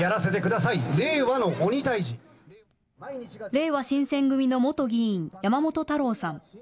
れいわ新選組の元議員、山本太郎さん。